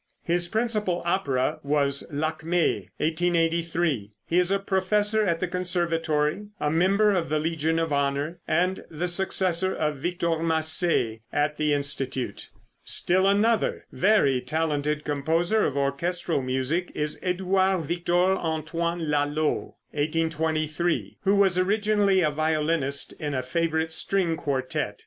His principal opera was "Lakmé" (1883). He is a professor at the Conservatory, a member of the Legion of Honor, and the successor of Victor Massé at the Institute. Still another very talented composer of orchestral music is Édouard Victor Antoine Lalo (1823 ), who was originally a violinist in a favorite string quartette.